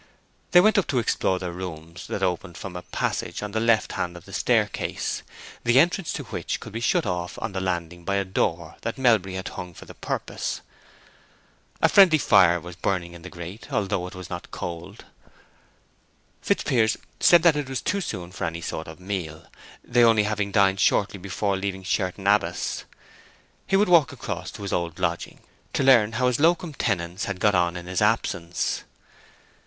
They went up to explore their rooms, that opened from a passage on the left hand of the staircase, the entrance to which could be shut off on the landing by a door that Melbury had hung for the purpose. A friendly fire was burning in the grate, although it was not cold. Fitzpiers said it was too soon for any sort of meal, they only having dined shortly before leaving Sherton Abbas. He would walk across to his old lodging, to learn how his locum tenens had got on in his absence.